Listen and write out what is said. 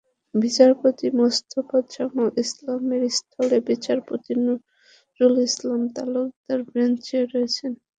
বিচারপতি মোস্তফা জামান ইসলামের স্থলে বিচারপতি নজরুল ইসলাম তালুকদার বেঞ্চে রয়েছেন।